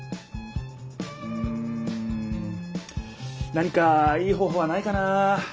何かいい方ほうはないかな？